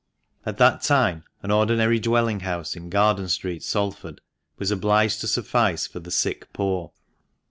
At that time an ordinary dwelling house in Garden Street, Salford, was obliged to suffice for the sick poor.